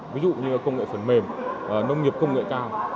ví dụ như công nghệ phần mềm nông nghiệp công nghệ cao